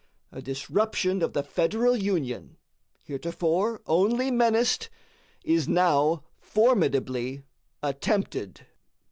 A disruption of the Federal Union, heretofore only menaced, is now formidably attempted.